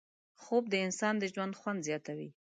خوب د انسان د ژوند خوند زیاتوي